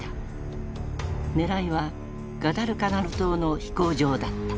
狙いはガダルカナル島の飛行場だった。